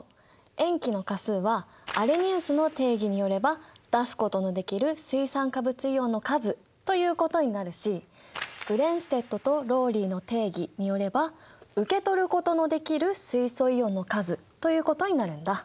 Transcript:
塩基の価数はアレニウスの定義によれば出すことのできる水酸化物イオンの数ということになるしブレンステッドとローリーの定義によれば受け取ることのできる水素イオンの数ということになるんだ。